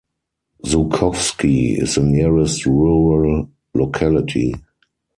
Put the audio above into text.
Zhukovsky is the nearest rural locality.